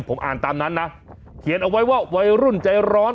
ผมอ่านตามนั้นนะเขียนเอาไว้ว่าวัยรุ่นใจร้อน